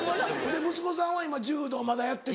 息子さんは柔道まだやってて？